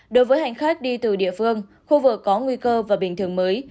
đối với hành khách đi từ địa phương khu vực có nguy cơ và bình thường mới